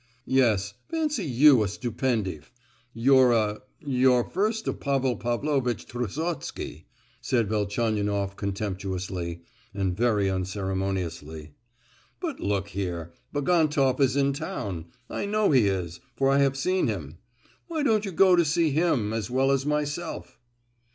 "Yes; fancy you a Stupendief. You're a—you're first a Pavel Pavlovitch Trusotsky!" said Velchaninoff, contemptuously, and very unceremoniously. "But look here! Bagantoff is in town; I know he is, for I have seen him. Why don't you go to see him as well as myself?"